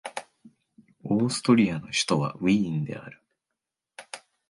オーストリアの首都はウィーンである